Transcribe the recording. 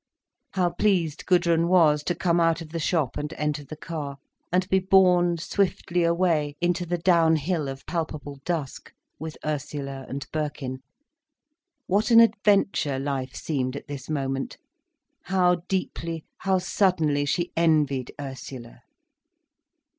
How pleased Gudrun was to come out of the shop, and enter the car, and be borne swiftly away into the downhill of palpable dusk, with Ursula and Birkin! What an adventure life seemed at this moment! How deeply, how suddenly she envied Ursula!